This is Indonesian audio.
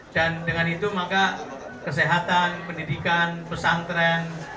dan dengan itu maka kesehatan pendidikan pesantren